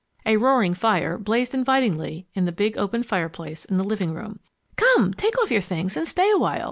A roaring fire blazed invitingly in the big open fireplace in the living room. "Come, take off your things and stay awhile!"